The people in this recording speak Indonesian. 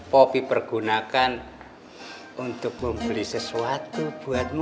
popi pergunakan untuk membeli sesuatu buat momi